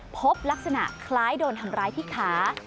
พบลักษณะคล้ายโดนทำร้ายที่ขา